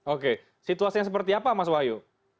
oke situasinya seperti apa mas wahyu